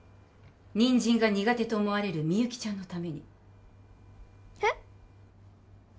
ニンジンが苦手と思われるみゆきちゃんのためにへっ？